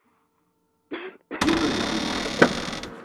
نِکڑ جائوں گو